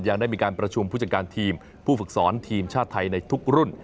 ยังได้มีการประชุมผู้จัดการทีมผู้ฝึกสอนทีมชาติไทยในทุกรุ่น